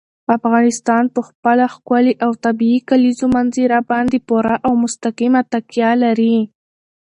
افغانستان په خپله ښکلې او طبیعي کلیزو منظره باندې پوره او مستقیمه تکیه لري.